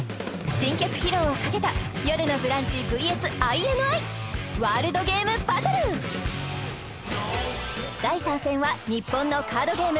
新曲披露をかけたよるのブランチｖｓＩＮＩワールドゲームバトル第３戦は日本のカードゲーム